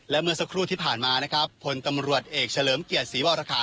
และเมื่อสักครู่ที่ผ่านมานะครับพลตำรวจเอกเฉลิมเกียรติศรีวรคา